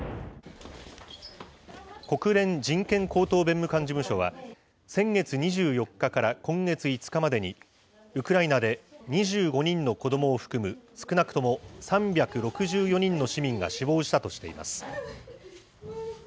国連人権高等弁務官事務所は、先月２４日から今月５日までに、ウクライナで２５人の子どもを含む少なくとも３６４人の市民が死亡したとしています。